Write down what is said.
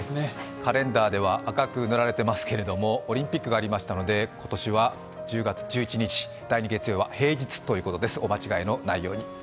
カレンダーでは赤く塗られていますけれどもオリンピックがありましたので今年は１０月１１日、第２月曜日は平日、お間違いのないように。